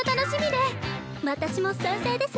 私も賛成です。